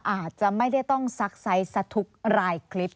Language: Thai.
อาจจะไม่ได้ต้องซักไซส์สักทุกรายคลิป